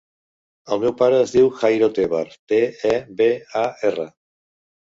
El meu pare es diu Jairo Tebar: te, e, be, a, erra.